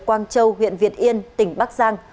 hàng châu huyện việt yên tỉnh bắc giang